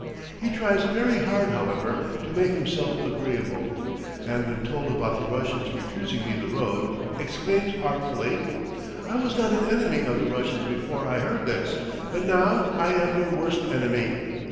He tries very hard, however, to make himself agreeable, and when told about the Russians refusing me the road, exclaims artfully: "I was not an enemy of the Russians before I heard this, but now I am their worst enemy!